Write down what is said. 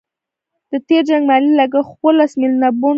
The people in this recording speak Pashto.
د تېر جنګ مالي لګښت اوولس میلیونه پونډه وو.